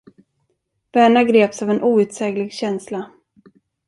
Verna greps av en outsäglig känsla.